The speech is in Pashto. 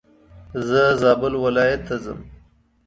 زه زابل ولايت ته ځم.